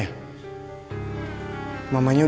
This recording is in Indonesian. sampai jumpa di kita run